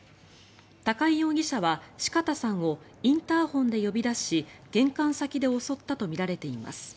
高井容疑者は四方さんをインターホンで呼び出し玄関先で襲ったとみられています。